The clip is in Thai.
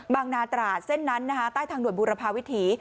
นาตราดเส้นนั้นนะคะใต้ทางด่วนบุรพาวิถี